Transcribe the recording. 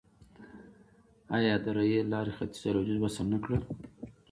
آیا د ریل لارې ختیځ او لویدیځ وصل نه کړل؟